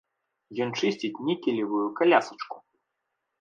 Ён чысціць нікелевую калясачку.